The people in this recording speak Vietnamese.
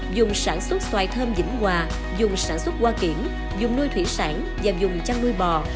dùng sản xuất xoài thơm dĩnh hòa dùng sản xuất hoa kiển dùng nuôi thủy sản và dùng chăn nuôi bò